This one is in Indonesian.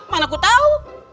mana aku tahu